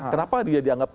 kenapa dia dianggap